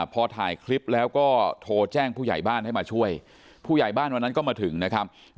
พอถ่ายคลิปแล้วก็โทรแจ้งผู้ใหญ่บ้านให้มาช่วยผู้ใหญ่บ้านวันนั้นก็มาถึงนะครับ